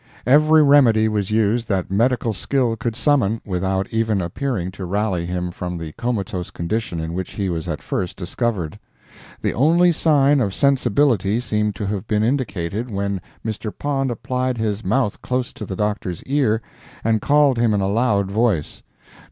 Every remedy was used that medical skill could summon, without even appearing to rally him from the comatose condition in which he was at first discovered. The only sign of sensibility seemed to have been indicated when Mr. Pond applied his mouth close to the Doctor's ear, and called him in a loud voice. Dr.